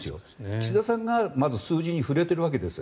岸田さんがまず数字に触れているわけです。